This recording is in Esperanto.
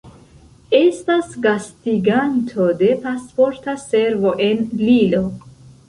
Estas gastiganto de Pasporta Servo en Lillo.